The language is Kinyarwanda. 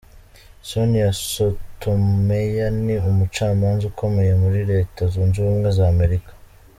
Sonia Sotomayor: Ni umucamanza ukomeye muri Leta zunze ubumwe za Amerika.